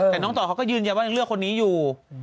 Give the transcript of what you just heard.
แต่น้องต่อเขาก็ยืนยันว่ายังเลือกคนนี้อยู่